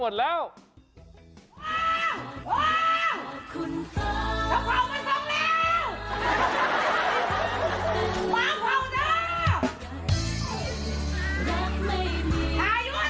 ว้าวว้าวจะเผ่าไปตรงแล้วว้าวเผ่าแล้ว